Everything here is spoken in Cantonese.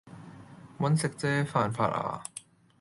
搵食啫，犯法呀